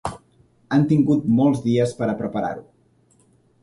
Han tingut molts dies per a preparar-ho.